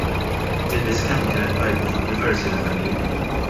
Din l-iskema kienet tajba fuq diversi livelli.